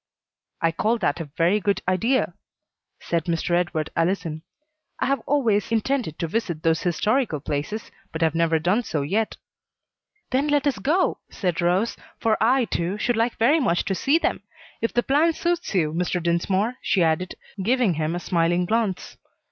"I call that a very good idea," said Mr. Edward Allison. "I have always intended to visit those historical places, but have never done so yet." "Then let us go," said Rose, "for I, too, should like very much to see them; if the plan suits you, Mr. Dinsmore," she added, giving him a smiling glance.